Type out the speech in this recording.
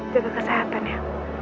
jaga kesehatan ya